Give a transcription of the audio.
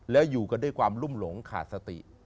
แล้วอยู่กันด้วยความรุ่มหลงขาดสติ